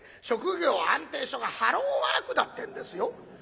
職業安定所がハローワークだってんですよ。